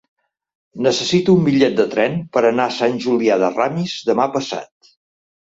Necessito un bitllet de tren per anar a Sant Julià de Ramis demà passat.